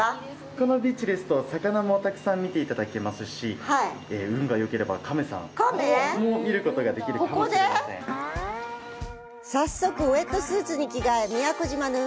このビーチですと魚もたくさん見ていただけますし運がよければ、カメさんも見ることができるかもしれません。